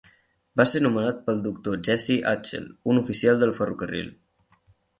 Va ser nomenat pel doctor Jesse Axtell, un oficial del ferrocarril.